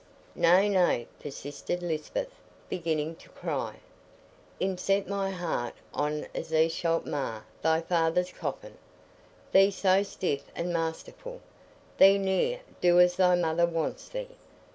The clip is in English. "Nay, nay," persisted Lisbeth, beginning to cry, "I'n set my heart on't as thee shalt ma' thy feyther's coffin. Thee't so stiff an' masterful, thee't ne'er do as thy mother wants thee.